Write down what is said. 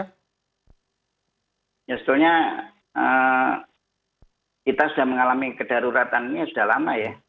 sebetulnya kita sudah mengalami kedaruratan ini sudah lama ya